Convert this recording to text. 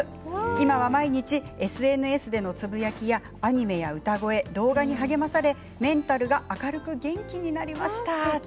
今は毎日、ＳＮＳでのつぶやきやアニメや歌声、動画に励まされメンタルが明るく元気になりました。